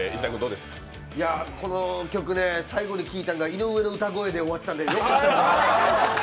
この曲ね、最後に聴いたんが井上の歌声で終わったんでようやく！